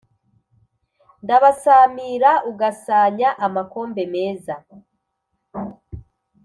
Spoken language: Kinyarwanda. ndabasamira ugasanya amakombe meza